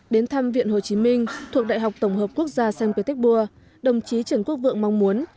đến thăm viện hồ chí minh thuộc đại học tổng hợp quốc gia sanh pétek bua đồng chí trần quốc vượng mong muốn